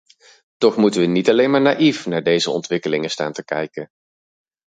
Toch moeten we niet alleen maar naïef naar deze ontwikkelingen staan te kijken.